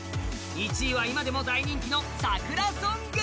１位は今でも大人気の桜ソング。